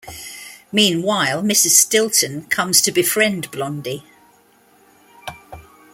Meanwhile, Mrs. Stilton comes to befriend Blondie.